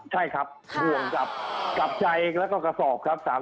ใช่ครับห่วงกับใจแล้วก็กระสอบครับ